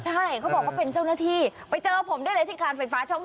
ใช่เขาบอกว่าเป็นเจ้าหน้าที่ไปเจอผมได้เลยที่การไฟฟ้าช่อง๓